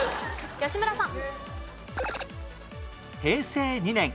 吉村さん。